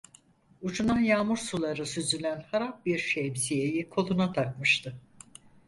Ucundan yağmur suları süzülen harap bir şemsiyeyi koluna takmıştı.